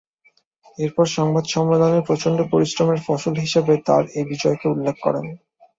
এরপর সংবাদ সম্মেলনে প্রচণ্ড পরিশ্রমের ফসল হিসেবে তার এ বিজয়কে উল্লেখ করেন।